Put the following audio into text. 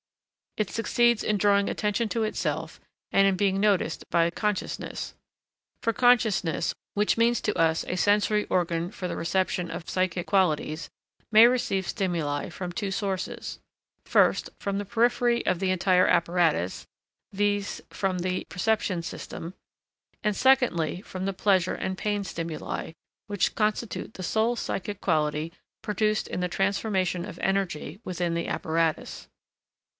It succeeds in drawing attention to itself and in being noticed by consciousness. For consciousness, which means to us a sensory organ for the reception of psychic qualities, may receive stimuli from two sources first, from the periphery of the entire apparatus, viz. from the perception system, and, secondly, from the pleasure and pain stimuli, which constitute the sole psychic quality produced in the transformation of energy within the apparatus.